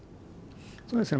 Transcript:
そうですね。